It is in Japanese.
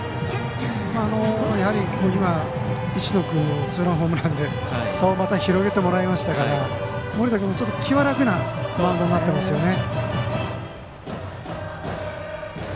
やはり今、石野君もツーランホームランで差を広げてもらいましたから盛田君も、気は楽なマウンドになってますね。